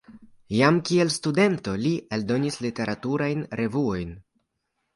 Jam kiel studento li eldonis literaturajn revuojn.